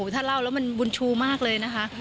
ถ้าเล่าแล้วมันบุญชูมากเลยนะคะ